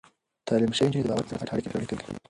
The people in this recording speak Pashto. تعليم شوې نجونې د باور پر بنسټ اړيکې پياوړې کوي.